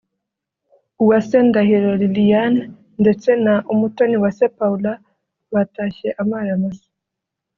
Uwase Ndahiro Liliane ndetse na Umutoniwase Paula batashye amara masa